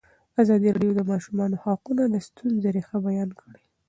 ازادي راډیو د د ماشومانو حقونه د ستونزو رېښه بیان کړې.